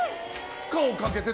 負荷をかけてと。